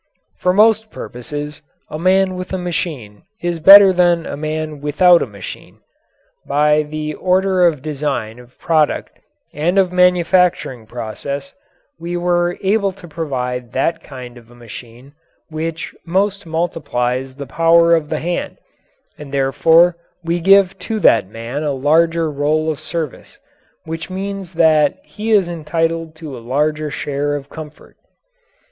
For most purposes a man with a machine is better than a man without a machine. By the ordering of design of product and of manufacturing process we are able to provide that kind of a machine which most multiplies the power of the hand, and therefore we give to that man a larger role of service, which means that he is entitled to a larger share of comfort.